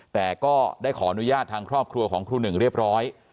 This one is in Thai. แต่ก็ได้ขออนุญาตทางครอบครัวของครูหนึ่งเรียบร้อย